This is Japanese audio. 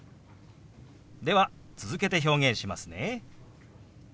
では続けて表現しますね。